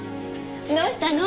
どうしたの？